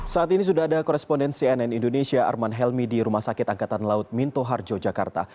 saat ini sudah ada koresponden cnn indonesia arman helmi di rumah sakit angkatan laut minto harjo jakarta